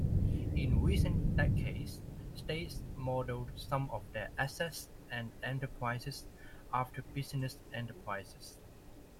In recent decades, states modeled some of their assets and enterprises after business enterprises.